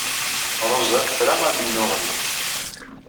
Ṛuza tefra amennuɣ-nni.